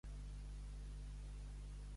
Anar a conferència.